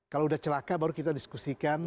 kalau udah celaka baru kita diskusikan